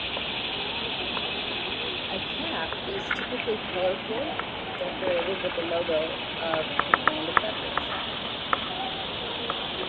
A cap is typically colorfully decorated with the logo of the brand of beverage.